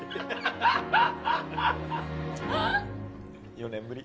４年ぶり。